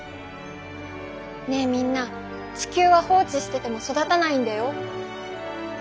ねえみんな地球は放置してても育たないんだよ。